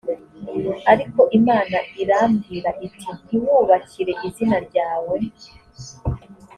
ariko imana irambwira iti ntiwubakire izina ryawe